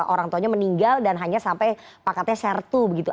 orang tuanya meninggal dan hanya sampai pakatnya sertu begitu